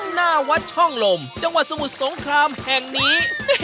หน้าวัดช่องลมจังหวัดสมุทรสงครามแห่งนี้